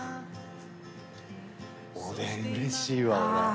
おでんうれしいわ俺。